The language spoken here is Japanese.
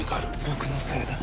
僕のせいだ。